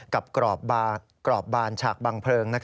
กรอบบานฉากบางเพลิง